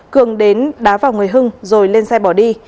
cường đến đá vào người hưng rồi lên xe bỏ đi